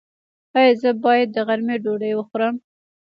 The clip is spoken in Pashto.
ایا زه باید د غرمې ډوډۍ وخورم؟